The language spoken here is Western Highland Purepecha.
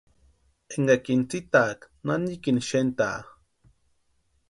Énkakini tsïtaaka nanikini xentaa.